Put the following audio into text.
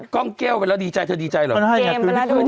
กล้องแก้วไปแล้วดีใจเธอดีใจเหรอ